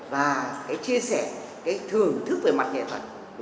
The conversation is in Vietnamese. và chia sẻ thưởng thức về mặt nghệ thuật